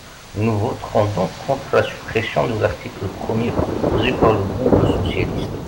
Nous voterons donc contre la suppression de l’article premier proposée par le groupe socialiste.